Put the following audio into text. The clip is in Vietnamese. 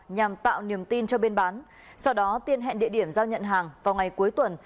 nhằm tạo niềm tin cho bên bán sau đó tiên hẹn địa điểm giao nhận hàng vào ngày cuối tuần